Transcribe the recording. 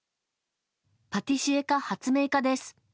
パティシエか発明家です。